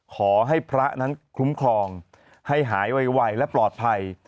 ขอให้พระนั้นคุ้มครองให้หายไวและปลอดภัย